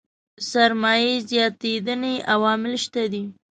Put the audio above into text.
سرمايې زياتېدنې عوامل شته دي.